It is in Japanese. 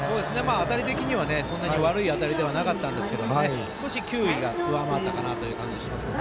当たり的にはそんなに悪い当たりではなかったんですけど少し、球威が上回ったかなという感じがします。